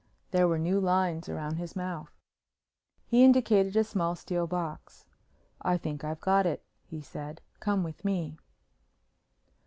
There were new lines around his mouth. He indicated a small steel box. "I think I've got it," he said. "Come with me."